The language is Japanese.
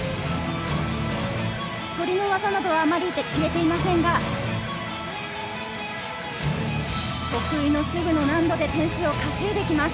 反りの技はあまり決めていませんが、得意の手具の難度で点数を稼いできます。